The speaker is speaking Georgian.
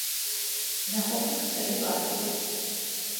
ნაყოფი ბრტყელი პარკია.